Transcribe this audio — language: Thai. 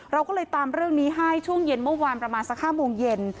เราก็เลยตามเรื่องนี้ให้ช่วงเย็นเมื่อวานประมาณสัก๕โมงเย็น